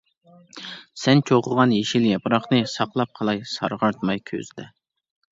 سەن چوقۇغان يېشىل ياپراقنى، ساقلاپ قالاي سارغايتماي كۈزدە.